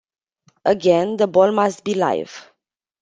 Again, the ball must be live.